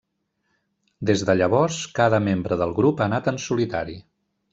Des de llavors cada membre del grup ha anat en solitari.